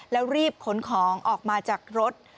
แล้วรีบขนของออกมาจากรถ